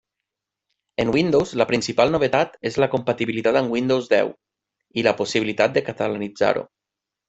En Windows la principal novetat és la compatibilitat amb Windows deu i la possibilitat de catalanitzar-ho.